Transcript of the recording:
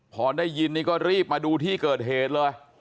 พอได้ยินนี่ก็รีบมาดูที่เกิดเหตุเลย